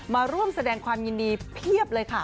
มาร่วมแสดงความยินดีเพียบเลยค่ะ